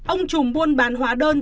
ông trùm buôn bán hóa đơn